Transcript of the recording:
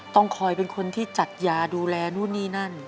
ต้องคอยเป็นคนที่จัดยาดูแลนู่นนี่นั่น